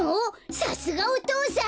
さすがお父さん！